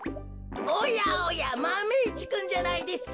おやおやマメ１くんじゃないですか。